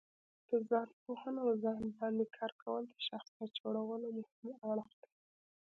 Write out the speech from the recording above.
د ځانو پوهه او ځان باندې کار کول د شخصیت جوړولو مهم اړخ دی.